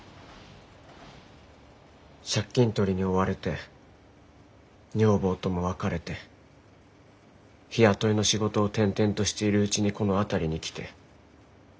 借金取りに追われて女房とも別れて日雇いの仕事を転々としているうちにこの辺りに来て。